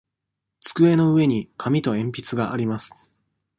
机の上に紙と鉛筆があります。